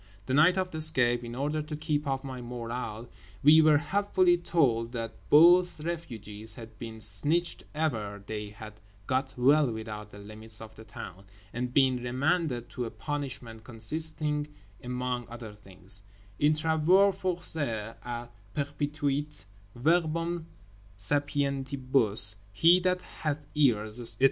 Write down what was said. The night of the escape—in order to keep up our morale—we were helpfully told that both refugees had been snitched e'er they had got well without the limits of the town, and been remanded to a punishment consisting among other things, in travaux forcés à perpetuité—verbum sapientibus, he that hath ears, etc.